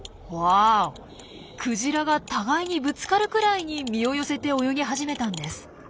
クジラが互いにぶつかるくらいに身を寄せて泳ぎ始めたんです。